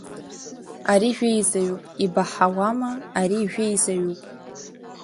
Ари жәеизаҩуп, ибаҳауама, ари жәеизаҩуп…